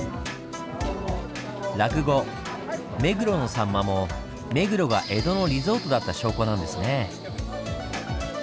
落語「目黒のさんま」も目黒が江戸のリゾートだった証拠なんですねぇ。